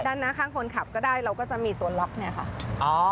ด้านหน้าข้างคนขับก็ได้เราก็จะมีตัวล็อกเนี่ยค่ะ